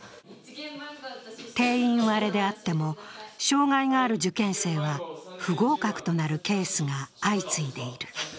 定員割れであっても障害のある受験生は不合格となるケースが相次いでいる。